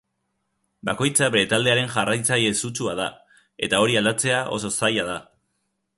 Bakoitza bere taldearen jarraitzaile sutsua da, eta hori aldatzea oso zaila da.